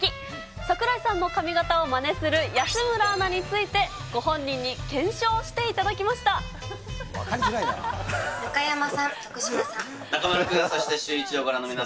櫻井さんの髪形をまねする安村アナについて、ご本人に検証してい分かりづらいな。